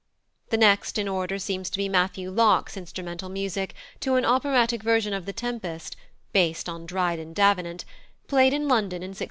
The next in order seems to be +Matthew Locke's+ instrumental music to an operatic version of The Tempest (based on Dryden Davenant), played in London in 1673.